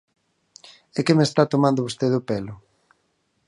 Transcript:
¿É que me está tomando vostede o pelo?